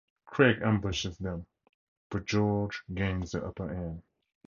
Craig ambushes them, but George gains the upper hand.